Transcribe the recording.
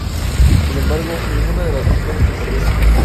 Sin embargo ninguna de las dos cosas ocurrieron.